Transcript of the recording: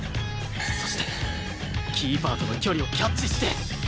そしてキーパーとの距離をキャッチして